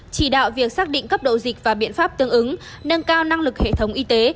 chỉ đạo việc xác định cấp độ dịch và biện pháp tương ứng nâng cao năng lực hệ thống y tế